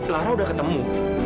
lara sudah bertemu